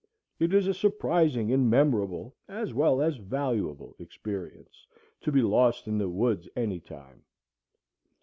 It is a surprising and memorable, as well as valuable experience, to be lost in the woods any time.